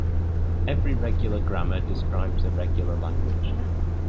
Every regular grammar describes a regular language.